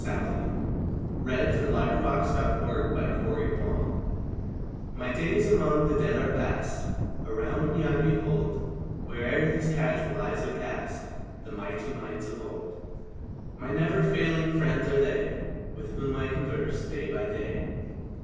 Stanzas Written in His Library 1V/TY days among the Dead are past; *•• Around me I behold, Where'er these casual eyes are cast, The mighty minds of old; My never failing friends are they, With whom I converse day by day.